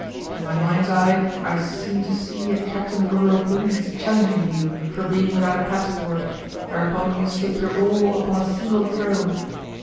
In my mind's eye I seem to see a Captain of Rural Police challenging you for being without a passport; whereupon you stake your all upon a single throw.